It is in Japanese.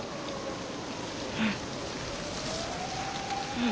うん。